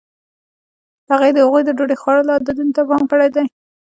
هغې د هغوی د ډوډۍ خوړلو عادتونو ته پام کړی دی.